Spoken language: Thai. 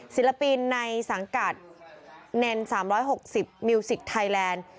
ศิลปินในสังกัดเนน๓๖๐มิวสิกไทยแลนด์